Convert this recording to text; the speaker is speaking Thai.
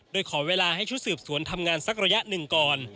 โดยขอเวลาให้ชุดสืบสวนทำงานสักระยะหนึ่งก่อน